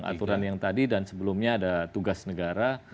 aturan yang tadi dan sebelumnya ada tugas negara